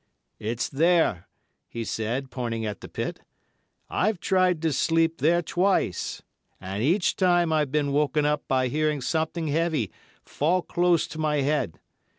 "It's there," he said, pointing at the pit. "I've tried to sleep there twice, and each time I've been woken up by hearing something heavy fall close to my head.